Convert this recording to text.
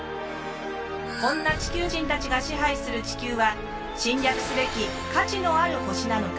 こんな地球人たちが支配する地球は侵略すべき価値のある星なのか？